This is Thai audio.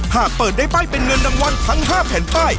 หากเปิดได้ป้ายเป็นเงินรางวัลทั้ง๕แผ่นป้าย